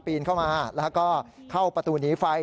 เข้ามาแล้วก็เข้าประตูหนีไฟ